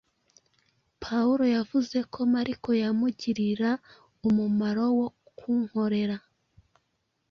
Pawulo yavuze ko Mariko “yamugirira umumaro wo kunkorera.